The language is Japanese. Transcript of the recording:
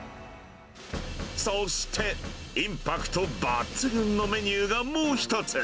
そして、インパクト抜群のメニューがもう一つ。